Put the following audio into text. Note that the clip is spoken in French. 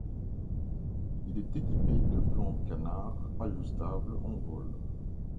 Il est équipé de plan canard ajustable en vol.